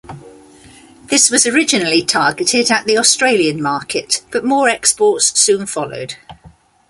This was originally targeted at the Australian market, but more exports soon followed.